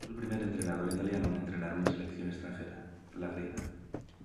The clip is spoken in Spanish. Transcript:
Fue el primer entrenador italiano en entrenar una selección extranjera, la Griega.